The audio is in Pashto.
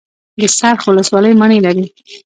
د څرخ ولسوالۍ مڼې لري